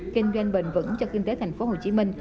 kinh doanh bền vững cho kinh tế tp hcm